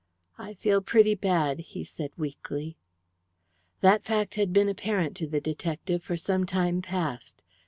"I feel pretty bad," he said weakly. That fact had been apparent to the detective for some time past.